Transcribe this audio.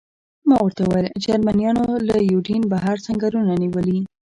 ما ورته وویل: جرمنیانو له یوډین بهر سنګرونه نیولي.